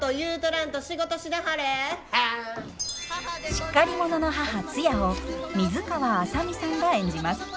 しっかり者の母ツヤを水川あさみさんが演じます。